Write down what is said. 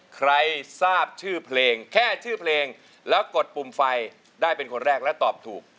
ใครทราบชื่อเพลงแค่ชื่อเพลงแล้วกดปุ่มไฟได้เป็นคนแรกและตอบถูก